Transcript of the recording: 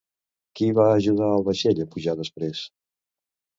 Què va ajudar al vaixell a pujar després?